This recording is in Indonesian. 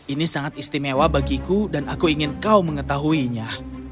ini sangat istimewa bagiku dan aku ingin kau mengetahuinya